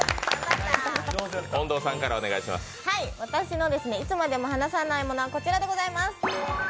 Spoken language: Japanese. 私のいつまでも離さないものは、こちらでございます。